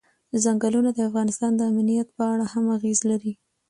ځنګلونه د افغانستان د امنیت په اړه هم اغېز لري.